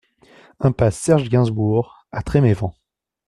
Impasse Serge Gainsbourg à Tréméven